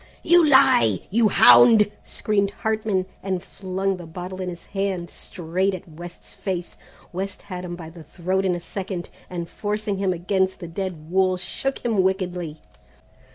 "You lie, you hound!" screamed Hartman, and flung the bottle in his hand straight at West's face. West had him by the throat in a second, and forcing him against the dead wall shook him wickedly.